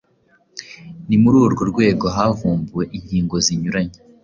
Ni muri urwo rwego havumbuwe inkingo zinyuranye.